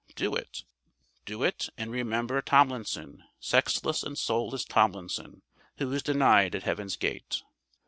Do it. Do it and remember Tomlinson, sexless and soulless Tomlinson, who was denied at Heaven's gate.